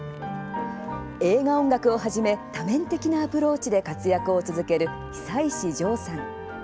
映画音楽をはじめ多面的なアプローチで活躍を続ける久石譲さん。